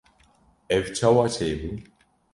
Ev çawa çêbû?